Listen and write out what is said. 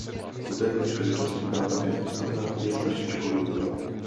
U této příležitosti byla také postavena nejstarší školní budova.